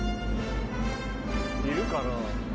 いるかな？